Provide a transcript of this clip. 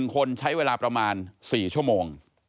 ๑คนใช้เวลาประมาณ๔ชั่วโมง